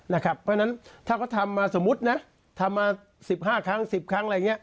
เพราะฉะนั้นถ้าเขาทำมาสมมุตินะทำมา๑๕ครั้ง๑๐ครั้งอะไรอย่างนี้